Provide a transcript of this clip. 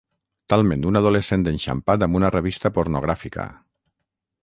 Talment un adolescent enxampat amb una revista pornogràfica.